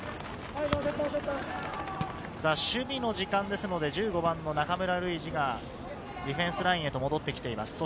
守備の時間ですので、１５番・中村ルイジがディフェンスラインに戻ってきています。